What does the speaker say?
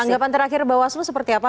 tanggapan terakhir bawah selu seperti apa